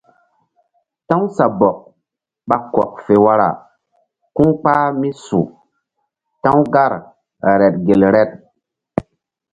Ta̧w sabɔk ɓa kɔk fe wara ku̧ kpah mí su ta̧w gar reɗ gel reɗ.